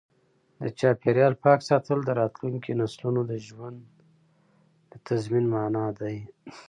د چاپیریال پاک ساتل د راتلونکو نسلونو د ژوند د تضمین په مانا دی.